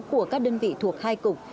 của các đơn vị thuộc hai cục